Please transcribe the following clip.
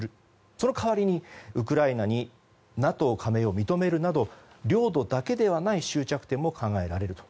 その代わりにウクライナにＮＡＴＯ加盟を認めるなど領土だけではない終着点も考えられると。